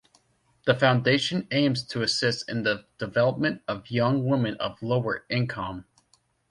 The foundation aims to assist in the development of young women of lower-income.